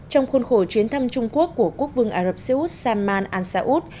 trong khuôn khổ chuyến thăm trung quốc của quốc vương ả rập xê út salman al saoud